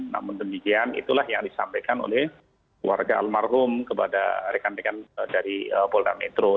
namun demikian itulah yang disampaikan oleh keluarga almarhum kepada rekan rekan dari polda metro